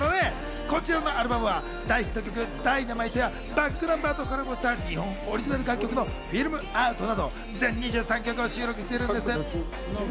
こちらのアルバムは大ヒット曲『Ｄｙｎａｍｉｔｅ』やｂａｃｋｎｕｍｂｅｒとコラボした日本オリジナル楽曲の『Ｆｉｌｍｏｕｔ』など全２３曲を収録しているんです。